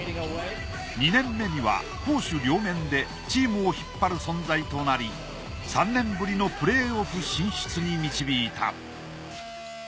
２年目には攻守両面でチームを引っ張る存在となり３年ぶりのプレーオフ進出に導いた。